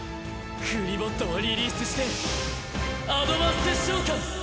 クリボットをリリースしてアドバンス召喚。